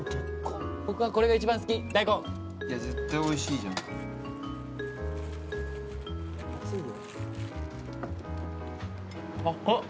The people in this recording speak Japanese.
僕はこれが一番好き大根いや絶対おいしいじゃん熱っ